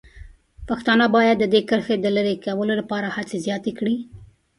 پښتانه باید د دې کرښې د لرې کولو لپاره هڅې زیاتې کړي.